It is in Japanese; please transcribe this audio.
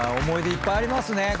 思い出いっぱいありますね。